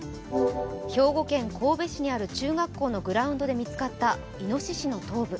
兵庫県神戸市にある中学校にあるグラウンドで見つかったいのししの頭部。